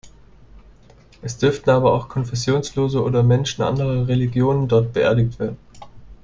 Es dürfen aber auch Konfessionslose oder Menschen anderer Religionen dort beerdigt werden.